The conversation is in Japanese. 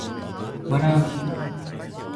笑う